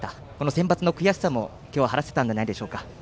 センバツの悔しさも晴れたんじゃないでしょうか。